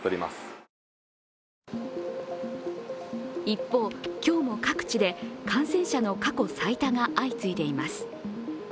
一方、今日も各地で感染者の過去最多が相次いでいます。